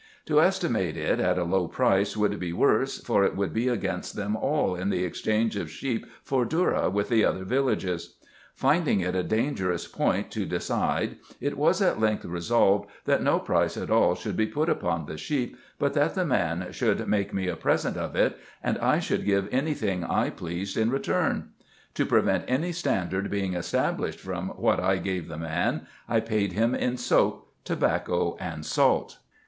To estimate it at a low price would be worse, for it would be against them all in the exchange of sheep for dhourra with the other villages. Finding it a dangerous point to decide, it was at length resolved, that no price at all should be put upon the sheep, but that the man should make me a present of it, and I should give any thing I pleased in o 98 RESEARCHES AND OPERATIONS return. To prevent any standard being established from what I gave the man, I paid him in soap, tobacco, and salt.